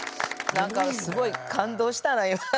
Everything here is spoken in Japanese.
何かすごい感動したな今。